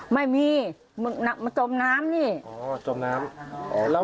ไม่มีมันน่ะจมน้ำนี่อ๋อจมน้ำ